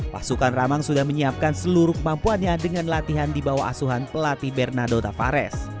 pasukan ramang sudah menyiapkan seluruh kemampuannya dengan latihan di bawah asuhan pelatih bernardo tavares